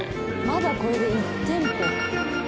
まだこれで１店舗。